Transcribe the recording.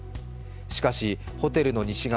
しかしホテルの西側